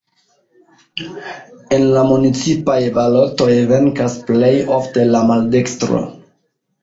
En la municipaj balotoj venkas plej ofte la maldekstro.